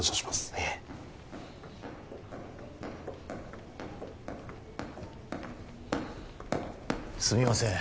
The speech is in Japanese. いえすみません